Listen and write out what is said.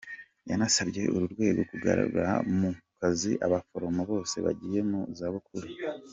Yanasabye uru rwego kugarura mu kazi abaforomo bose bagiye mu za bukuru.